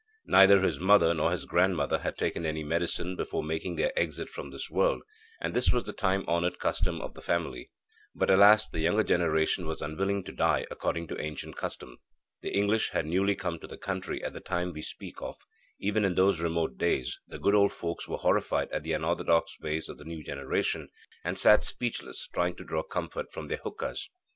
Neither his mother nor his grandmother had taken any medicine before making their exit from this world, and this was the time honoured custom of the family. But, alas, the younger generation was unwilling to die according to ancient custom. The English had newly come to the country at the time we speak of. Even in those remote days, the good old folks were horrified at the unorthodox ways of the new generation, and sat speechless, trying to draw comfort from their hookas.